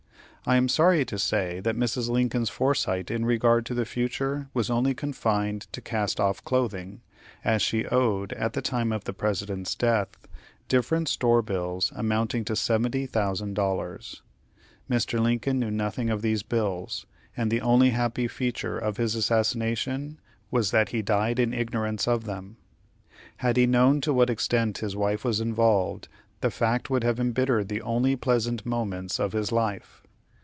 I am sorry to say that Mrs. Lincoln's foresight in regard to the future was only confined to cast off clothing, as she owed, at the time of the President's death, different store bills amounting to seventy thousand dollars. Mr. Lincoln knew nothing of these bills, and the only happy feature of his assassination was that he died in ignorance of them. Had he known to what extent his wife was involved, the fact would have embittered the only pleasant moments of his life.